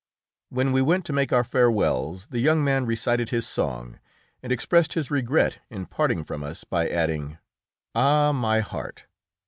When we went to make our farewells the young man recited his song, and expressed his regret in parting from us by adding: "Ah! my heart!